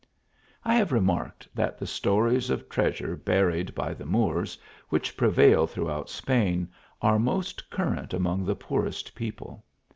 I have remarked that the stories of treasure buried by the Moors, which prevail throughout Spain, are most current among the poorest people.